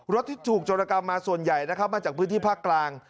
ที่ถูกโจรกรรมมาส่วนใหญ่นะครับมาจากพื้นที่ภาคกลาง